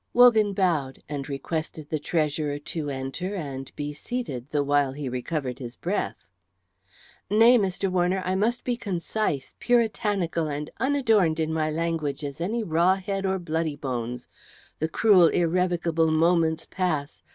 Wogan bowed, and requested the treasurer to enter and be seated the while he recovered his breath. "Nay, Mr. Warner, I must be concise, puritanical, and unadorned in my language as any raw head or bloody bones. The cruel, irrevocable moments pass.